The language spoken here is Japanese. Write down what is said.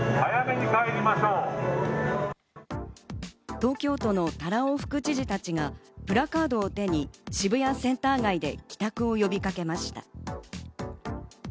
東京都の多羅尾副知事たちがプラカードを手に渋谷センター街で帰宅を呼びかけました。